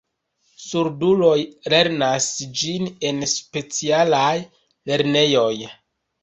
Surduloj lernas ĝin en specialaj lernejoj.